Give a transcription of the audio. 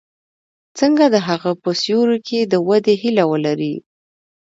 څنګه د هغه په سیوري کې د ودې هیله ولري.